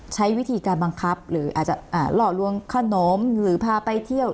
ใช้วิธีการบังคับหรืออาจจะหล่อลวงขนมหรือพาไปเที่ยว